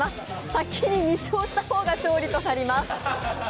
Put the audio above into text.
先に２勝した方が勝利となります。